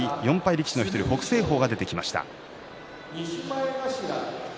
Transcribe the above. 力士の１人北青鵬が出てきました。